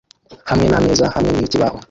hamwe nameza hamwe n'ikibaho